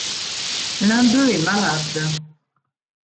L’un d’eux est malade.